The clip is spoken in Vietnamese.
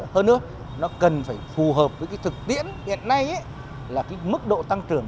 hơn nữa nó cần phải phù hợp với cái thực tiễn hiện nay là cái mức độ tăng trưởng